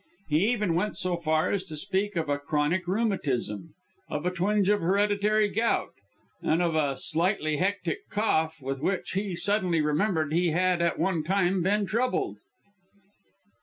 He even went so far as to speak of a chronic rheumatism, of a twinge of hereditary gout, and of a slightly hectic cough with which, he suddenly remembered, he had at one time, been troubled.